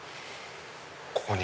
ここに。